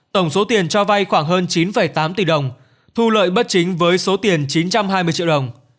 tổng số tiền cho vay khoảng hơn chín tám tỷ đồng thu lợi bất chính với số tiền chín trăm hai mươi triệu đồng